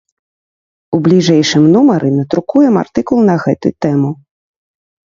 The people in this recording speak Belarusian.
У бліжэйшым нумары надрукуем артыкул на гэту тэму.